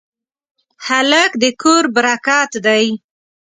هلک د کور برکت دی.